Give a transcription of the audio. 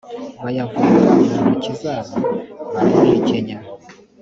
bayavunga mu ntoki zabo barayahekenya